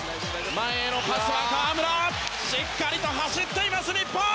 前へのパスは河村しっかりと走っています、日本！